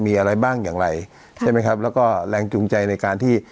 มีอะไรบ้างอย่างไรใช่ไหมครับแล้วก็แรงจูงใจในการที่